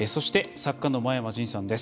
作家の真山仁さんです。